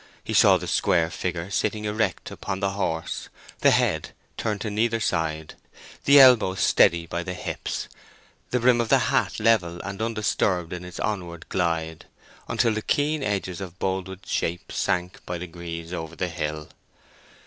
He saw the square figure sitting erect upon the horse, the head turned to neither side, the elbows steady by the hips, the brim of the hat level and undisturbed in its onward glide, until the keen edges of Boldwood's shape sank by degrees over the hill.